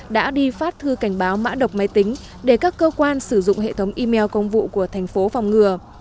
đã đi phát thư cảnh báo mã độc máy tính để các cơ quan sử dụng hệ thống email công vụ của thành phố phòng ngừa